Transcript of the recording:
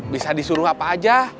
bisa disuruh apa aja